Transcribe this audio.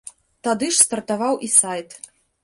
Тады ж стартаваў і сайт.